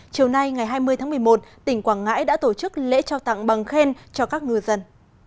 chiều nay ngày hai mươi tháng một mươi một tỉnh quảng ngãi đã tổ chức lễ trao tặng bằng khen cho các ngư dân